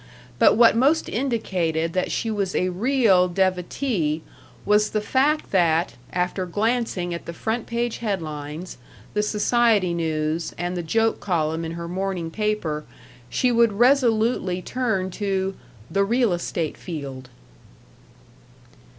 But what most indicated that she was a real devotee was the fact that, after glancing at the front page headlines, the society news, and the joke column in her morning paper, she would resolutely turn to "The Real Estate Field."